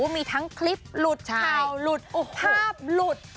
มีทั้งคลิปหลุดข่าวหลุดอุภาพหลุด